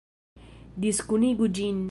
Diskunigu ĝin!